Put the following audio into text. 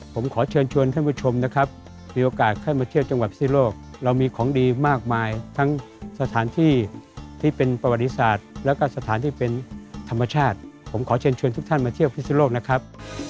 ผมขอเชิญชวนท่านผู้ชมนะครับมีโอกาสเข้ามาเที่ยวจังหวัดพิโลกเรามีของดีมากมายทั้งสถานที่ที่เป็นประวัติศาสตร์แล้วก็สถานที่เป็นธรรมชาติผมขอเชิญชวนทุกท่านมาเที่ยวพิสุโลกนะครับ